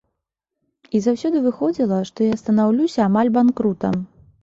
І заўсёды выходзіла, што я станаўлюся амаль банкрутам.